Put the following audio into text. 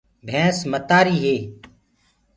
ڀينٚس متآريٚ هي